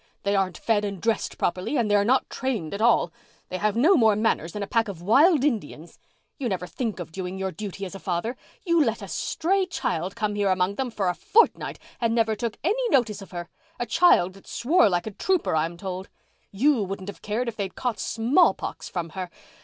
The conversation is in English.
They aren't fed and dressed properly, and they're not trained at all. They have no more manners than a pack of wild Indians. You never think of doing your duty as a father. You let a stray child come here among them for a fortnight and never took any notice of her—a child that swore like a trooper I'm told. You wouldn't have cared if they'd caught small pox from her.